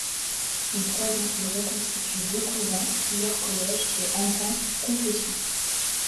En trois ans, il reconstitue deux couvents, plusieurs collèges, et entend confessions.